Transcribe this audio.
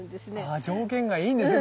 ああ条件がいいんですね